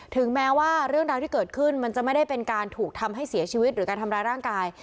ถึงแม้ว่าเรื่องราวที่เกิดขึ้นมันจะไม่ได้เป็นการถูกทำให้เสียชีวิตหรือการทำร้ายร่างกาย